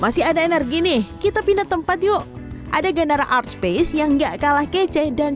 masih ada energi nih kita pindah tempat yuk ada genera art space yang gak kalah kece dan